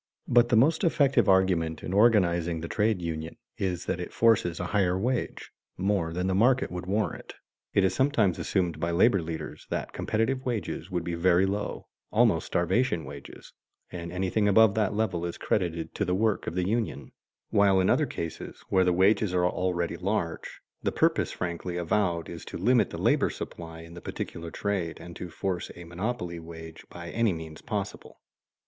But the most effective argument in organizing the trade union is that it forces a higher wage, more than the market would warrant. It is sometimes assumed by labor leaders that competitive wages would be very low, almost starvation wages, and anything above that level is credited to the work of the union; while in other cases where the wages are already large, the purpose frankly avowed is to limit the labor supply in the particular trade and to force a monopoly wage by any means possible.